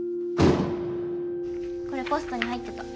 これポストに入ってた。